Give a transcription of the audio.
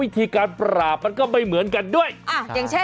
จริง